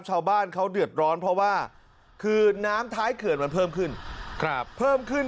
ชาวบ้านเขาเดือดร้อนเพราะว่าคือน้ำท้ายเขื่อนมันเพิ่มขึ้นครับเพิ่มขึ้น